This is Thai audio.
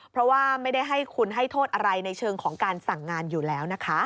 เพราะว่าไม่ได้ให้คุณให้โทษอะไรในเชิงของการสั่งงานอยู่แล้วนะคะ